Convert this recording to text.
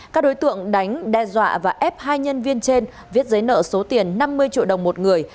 các đối tượng đánh đe dọa và ép hai nhân viên trên viết giấy nợ số tiền năm mươi triệu đồng một người